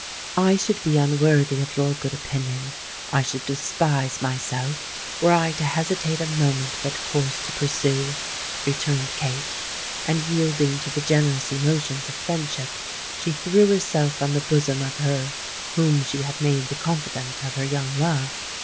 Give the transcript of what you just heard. "I should be unworthy of your good opinion—I should despise myself, were I to hesitate a moment what course to pursue," returned Kate; and, yielding to the generous emotions of friendship, she threw herself on the bosom of her whom she had made the confidant of her young love.